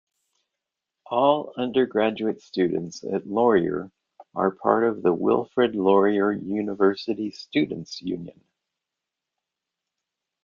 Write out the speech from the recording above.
All undergraduate students at Laurier are part of the Wilfrid Laurier University Students' Union.